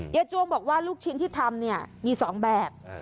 จวงบอกว่าลูกชิ้นที่ทำเนี่ยมี๒แบบ